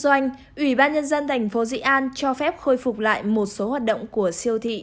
doanh ủy ban nhân dân thành phố dị an cho phép khôi phục lại một số hoạt động của siêu thị